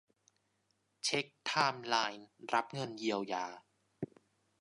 เช็กไทม์ไลน์รับเงินเยียวยา